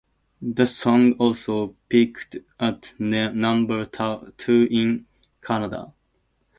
The song also peaked at number two in Canada.